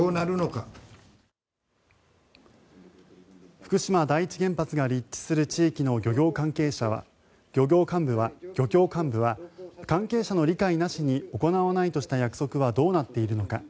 福島第一原発が立地する地域の漁協幹部は関係者の理解なしに行わないとした約束はどうなっているのか